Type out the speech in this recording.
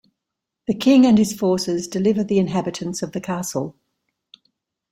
The king and his forces deliver the inhabitants of the castle.